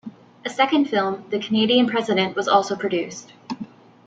A second film, "The Canadian President" was also produced.